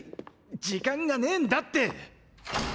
時間がねぇんだって！